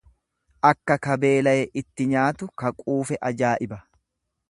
Akka ka beelaye itti nyaatu ka quufe ajaa'iba.